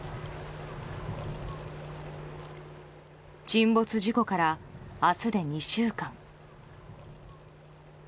沈没事故から明日で２週間。